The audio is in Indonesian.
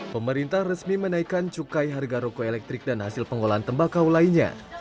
pemerintah resmi menaikkan cukai harga rokok elektrik dan hasil pengolahan tembakau lainnya